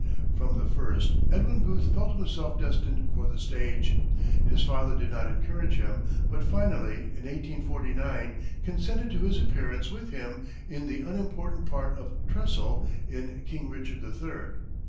From the first, Edwin Booth felt himself destined for the stage. His father did not encourage him, but finally, in 1849, consented to his appearance with him in the unimportant part of Tressel, in "King Richard the Third."